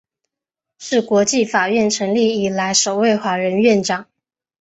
是国际法院成立以来首位华人院长。